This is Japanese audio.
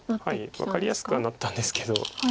分かりやすくはなったんですけど。